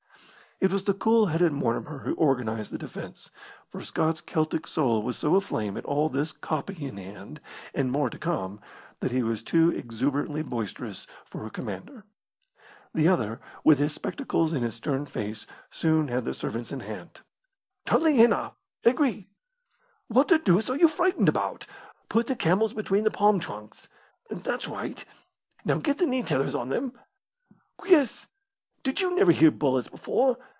It was the cool headed Mortimer who organised the defence, for Scott's Celtic soul was so aflame at all this "copy" in hand and more to come that he was too exuberantly boisterous for a commander. The other, with his spectacles and his stern face, soon had the servants in hand. "Tali henna! Egri! What the deuce are you frightened about? Put the camels between the palm trunks. That's right. Now get the knee tethers on them. Quies! Did you never hear bullets before?